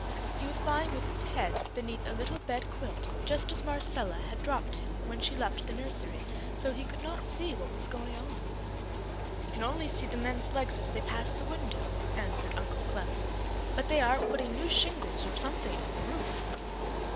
He was lying with his head beneath a little bed quilt, just as Marcella had dropped him when she left the nursery; so he could not see what was going on. "We can only see the men's legs as they pass the window," answered Uncle Clem. "But they are putting new shingles or something on the roof!"